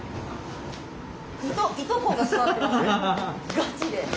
ガチで。